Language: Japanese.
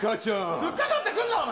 つっかかってくんな、お前。